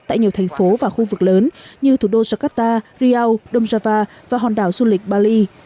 tại nhiều thành phố và khu vực lớn như thủ đô jakarta riau đông java và hòn đảo du lịch bali